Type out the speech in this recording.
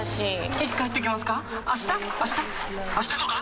いつ帰ってきますか？